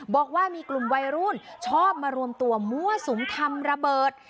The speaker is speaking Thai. บอกว่ามีกลุ่มวัยรุ่นชอบมารวมตัวมั่วสุมทำระเบิด